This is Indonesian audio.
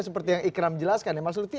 seperti yang ikram jelaskan mas lutut